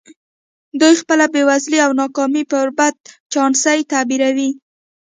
دوی خپله بېوزلي او ناکامي پر بد چانسۍ تعبیروي